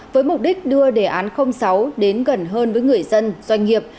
với mục đích đưa đề án sáu đến gần hơn với người dân doanh nghiệp